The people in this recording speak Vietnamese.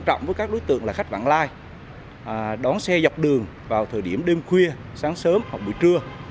trọng với các đối tượng là khách vặn lai đón xe dọc đường vào thời điểm đêm khuya sáng sớm hoặc buổi trưa